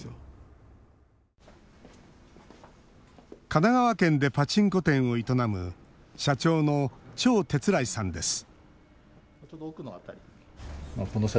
神奈川県でパチンコ店を営む社長の趙哲来さんです